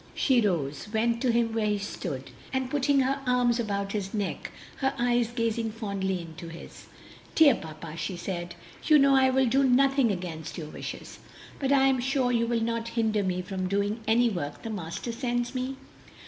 She rose, went to him where he stood, and putting her arms about his neck, her eyes gazing fondly into his, "Dear papa," she said, "you know I will do nothing against your wishes, but I am sure you will not hinder me from doing any work the Master sends me?"